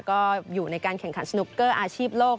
ก็อยู่ในการแข่งขันสนุกเกอร์อาชีพโลก